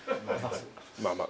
まあまあ。